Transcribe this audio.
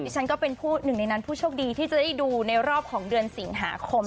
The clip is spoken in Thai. ฉันก็เป็นผู้หนึ่งในนั้นผู้โชคดีที่จะได้ดูในรอบของเดือนสิงหาคม